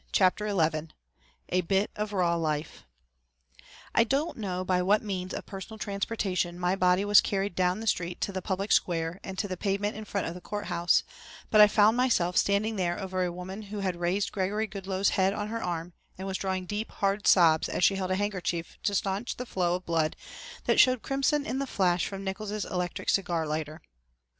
CHAPTER XI A BIT OF RAW LIFE I don't know by what means of personal transportation my body was carried down the street to the public square and to the pavement in front of the courthouse, but I found myself standing there over a woman who had raised Gregory Goodloe's head on her arm and was drawing deep, hard sobs as she held a handkerchief to stanch a flow of blood that showed crimson in the flash from Nickols' electric cigar lighter.